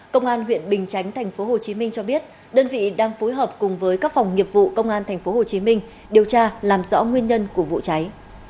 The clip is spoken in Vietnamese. công an huyện bình chánh tp hcm cho biết đơn vị đang phối hợp cùng với các phòng nghiệp vụ công an tp hcm điều tra làm rõ nguyên nhân của vụ cháy